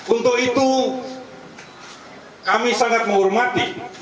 untuk itu kami sangat menghormati